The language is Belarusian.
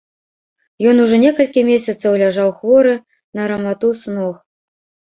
Ён ужо некалькі месяцаў ляжаў хворы на раматус ног.